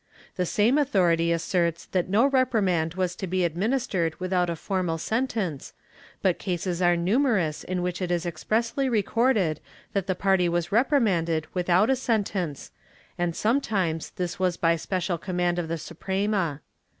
The same authority asserts that no reprimand was to be administered without a formal sentence, but cases are numerous in which it is expressly recorded that the party was reprimanded without a sentence, and sometimes this was by the special command of the Suprema.